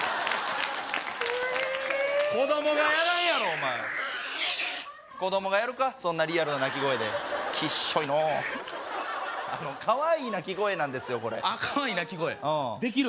子供がやらんやろお前子供がやるかそんなリアルな鳴き声できっしょいのうかわいい鳴き声なんですよこれかわいい鳴き声できる？